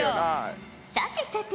さてさて。